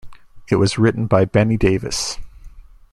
It was written by Benny Davis.